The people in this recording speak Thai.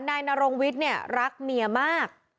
นายนรงวิทย์เนี่ยรักเมียมาก